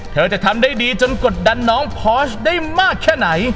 เธอจะทำได้ดีจนกดดันน้องพอสได้มากแค่ไหน